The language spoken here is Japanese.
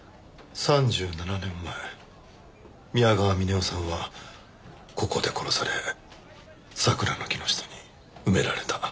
３７年前宮川峰夫さんはここで殺され桜の木の下に埋められた。